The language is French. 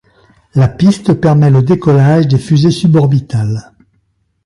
La piste permet le décollage de fusées suborbitales.